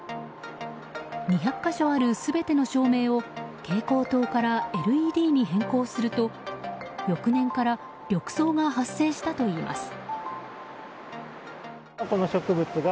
２００か所ある全ての照明を蛍光灯からＬＥＤに変更すると翌年から緑藻が発生したといいます。